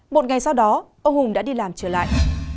một ngày sau đó ông hùng đã đi làm trở lại